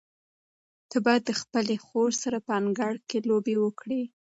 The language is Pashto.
ته باید د خپلې خور سره په انګړ کې لوبې وکړې.